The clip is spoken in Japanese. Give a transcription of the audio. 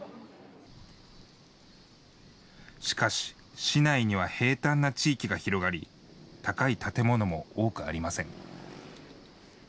しかし、市内には平たんな地域が広がり、高い建物も多くありません。